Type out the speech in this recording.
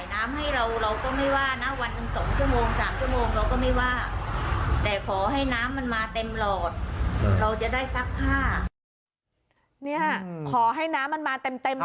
นี่ค่ะขอให้น้ำมันมาเต็มเต็ม